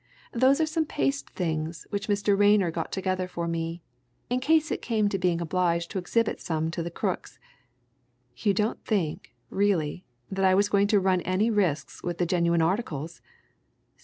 Those are some paste things which Mr. Rayner got together for me in case it came to being obliged to exhibit some to the crooks. You don't think, really, that I was going to run any risks with the genuine articles?